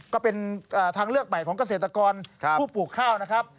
ก็เป็นทางเลือกใหม่ของเกษตรกรผู้ปลูกข้าวนะครับ